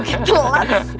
lagian gak kamu pake telet